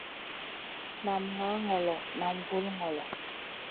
Nam ŋah ŋolo nam vul ŋolo.